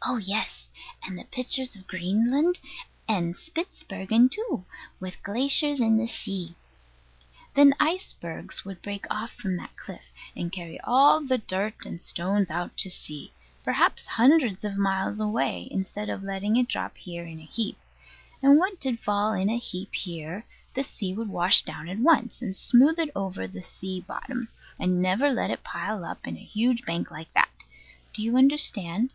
Oh yes, and pictures of Greenland and Spitzbergen too, with glaciers in the sea. Then icebergs would break off from that cliff, and carry all the dirt and stones out to sea, perhaps hundreds of miles away, instead of letting it drop here in a heap; and what did fall in a heap here the sea would wash down at once, and smooth it over the sea bottom, and never let it pile up in a huge bank like that. Do you understand?